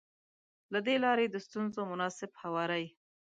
له دې لارې د ستونزو مناسب هواری.